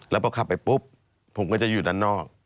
แล้วพอขับไปปุ๊บผมก็จะอยู่ด้านนอก